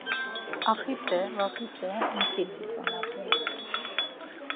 Axite vaxite miƙilu tzanape…